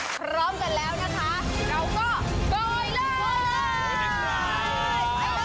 พร้อมกันแล้วนะคะ